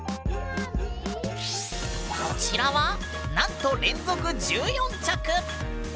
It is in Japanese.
こちらはなんと連続１４着！